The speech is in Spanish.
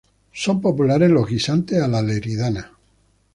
Son populares los guisantes a la leridana.